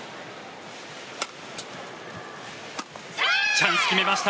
チャンス、決めました。